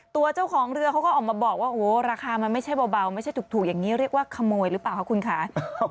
ตัวเจ้าของเรือเขาก็ออกมาบอกว่าโอ้ราคามันไม่ใช่เบาไม่ใช่ถูกอย่างนี้เรียกว่าขโมยหรือเปล่าคะคุณค่ะ